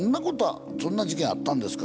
そんな事件あったんですか？